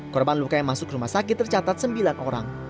korban luka yang masuk rumah sakit tercatat sembilan orang